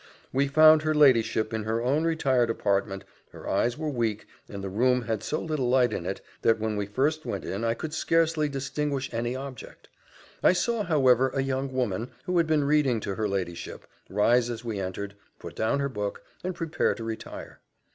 We found her ladyship in her own retired apartment; her eyes were weak, and the room had so little light in it, that when we first went in, I could scarcely distinguish any object: I saw, however, a young woman, who had been reading to her ladyship, rise as we entered, put down her book, and prepare to retire.